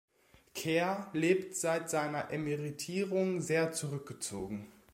Kerr lebt seit seiner Emeritierung sehr zurückgezogen.